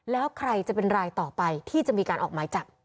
แล้วใครจะเป็นรายต่อไปที่จะมีการออกหมายจับ